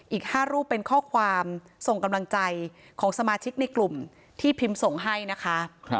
อีก๕รูปเป็นข้อความส่งกำลังใจของสมาชิกในกลุ่มที่พิมพ์ส่งให้นะคะ